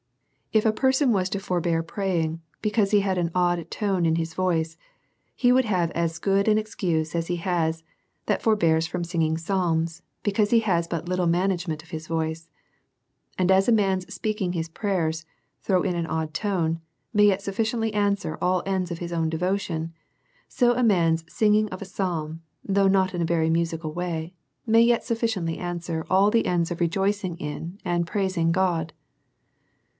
If a person was to forbear praying because he had an odd tone in his voice, he would have as good an ex cuse as he has that forbears from singing psalms, be cause he has but little management of his voice ; and as a man's speaking his prayers, though in an odd tone, may yet sufficiently answer all the ends of his own de votion, so a man's singing of a psalm, though not in a very musical way, may yet sufficiently answer all the ends of rejoicing in, and praising God.